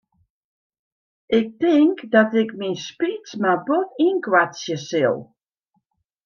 Ik tink dat ik myn speech mar bot ynkoartsje sil.